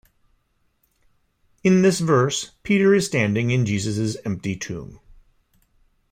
In this verse, Peter is standing in Jesus's empty tomb.